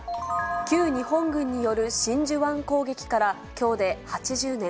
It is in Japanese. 旧日本軍による真珠湾攻撃からきょうで８０年。